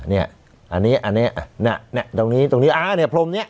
เนี่ยอันนี้อันนี้อ่ะเนี่ยตรงนี้ตรงนี้อ่าเนี่ยพรมเนี้ย